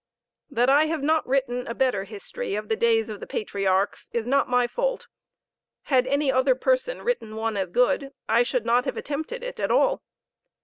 That I have not written a better history of the days of the patriarchs is not my fault; had any other person written one as good, I should not have attempted it at all.